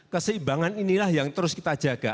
keseimbangan inilah yang terus kita jaga